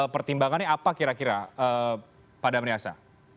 pertimbangannya apa kira kira pak damriasa